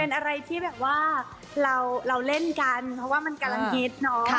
เป็นอะไรที่เราเล่นกันมันกำลังฮิท